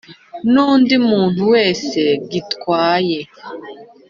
n'undi muntu wese gitwaye